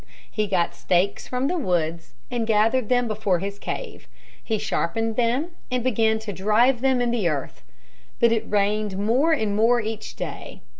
He got stakes from the woods and gathered them before his cave. He sharpened them and began to drive them in the earth. But it rained more and more each day.